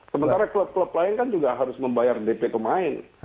sementara klub klub lain kan juga harus membayar dp pemain